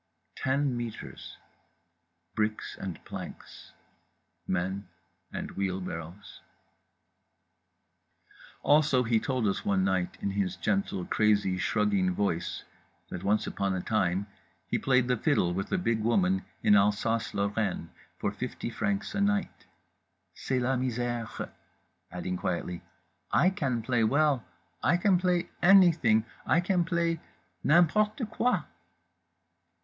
Ten metres. Bricks and planks. Men and wheelbarrows…. Also he told us, one night, in his gentle, crazy, shrugging voice, that once upon a time he played the fiddle with a big woman in Alsace Lorraine for fifty francs a night; "c'est la misère"—adding quietly, "I can play well, I can play anything, I can play n'importe quoi."